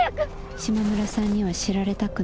「島村さんには知られたくない」。